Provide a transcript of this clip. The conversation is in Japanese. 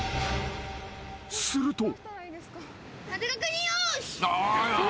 ［すると］